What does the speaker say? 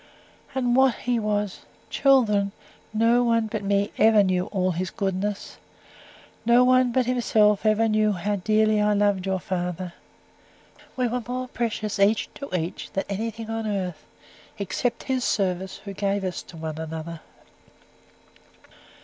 And what HE was Children, no one but me ever knew all his goodness, no one but himself ever knew how dearly I loved your father. We were more precious each to each than anything on earth; except His service, who gave us to one another."